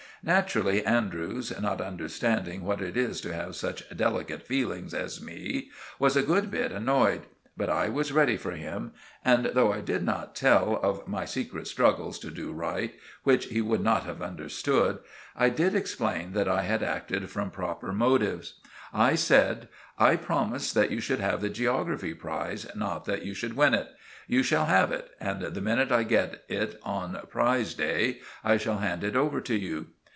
Naturally Andrews, not understanding what it is to have such delicate feelings as me, was a good bit annoyed; but I was ready for him, and though I did not tell of my secret struggles to do right, which he would not have understood, I did explain that I had acted from proper motives. I said— "I promised that you should have the geography prize, not that you should win it. You shall have it, and the minute I get it on prize day, I shall hand it over to you."